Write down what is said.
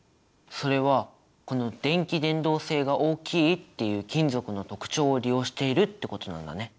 それはこの「電気伝導性が大きい」っていう金属の特徴を利用しているってことなんだね。